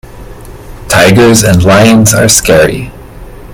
Tigers and lions are scary.